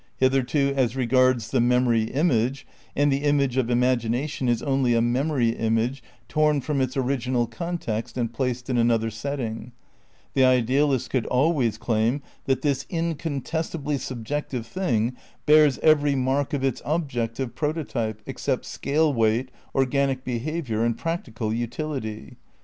Hith erto, as regards the memory image — and the image of imagination is only a memory image torn from its original context and placed in another setting — the idealist could always claim that this incontestably sub jective thing bears every mark of its "objective" prototype, except scale weight, organic behaviour and practical utility.